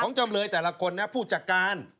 ของจำเลยแต่ละคนผู้จักรการ